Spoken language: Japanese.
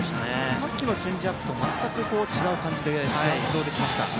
さっきのチェンジアップと全く違う軌道で来ました。